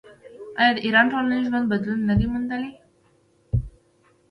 آیا د ایران ټولنیز ژوند بدلون نه دی موندلی؟